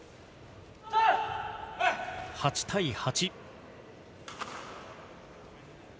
８対８。